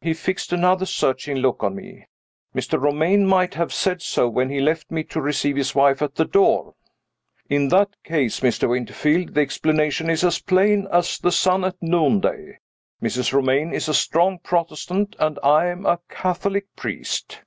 He fixed another searching look on me. "Mr. Romayne might have said so when he left me to receive his wife at the door." "In that case, Mr. Winterfield, the explanation is as plain as the sun at noonday. Mrs. Romayne is a strong Protestant, and I am a Catholic priest."